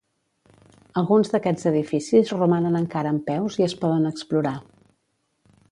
Alguns d'aquests edificis romanen encara en peus i es poden explorar.